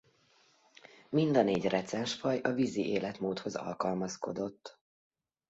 Mind a négy recens faj a vízi életmódhoz alkalmazkodott.